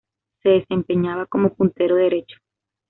Se desempeñaba como puntero derecho.